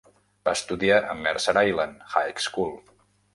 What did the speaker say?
Va estudiar al Mercer Island High School.